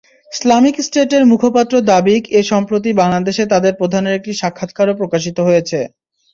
Islamic স্টেটের মুখপত্র দাবিক-এ সম্প্রতি বাংলাদেশে তাদের প্রধানের একটি সাক্ষাৎকারও প্রকাশিত হয়েছে।